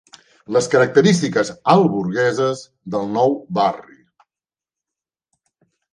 Les característiques altburgeses del nou barri.